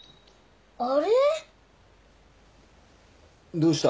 どうした？